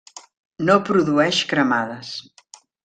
No produeix cremades.